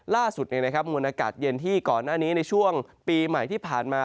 ล่าสุดมวลอากาศเย็นที่ก่อนหน้านี้ในช่วงปีใหม่ที่ผ่านมา